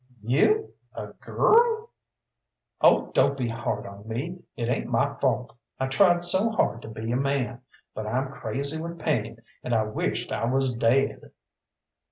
"You, a girl?" "Oh, don't be hard on me it ain't my fault! I tried so hard to be a man but I'm crazy with pain and I wisht I was daid!"